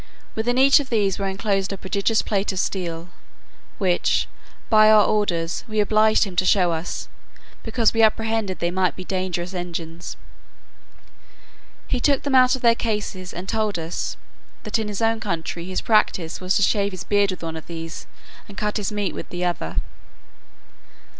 Within each of these was enclosed a prodigious plate of steel; which, by our orders, we obliged him to show us, because we apprehended they might be dangerous engines. He took them out of their cases, and told us, that in his own country his practice was to shave his beard with one of these, and cut his meat with the other.